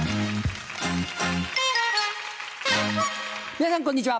皆さんこんにちは。